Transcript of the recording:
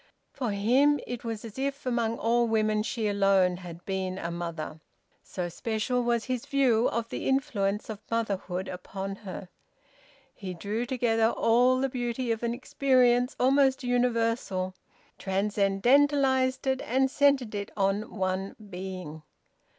For him, it was as if among all women she alone had been a mother so special was his view of the influence of motherhood upon her. He drew together all the beauty of an experience almost universal, transcendentalised it, and centred it on one being.